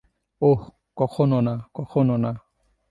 ওহ, কখনো না, কখনো না।